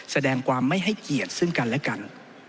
แสดงความไม่ให้เกียรติซึ่งกันและกัน